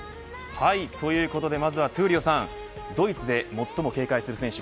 ということでまずは闘莉王さんドイツで最も警戒する選手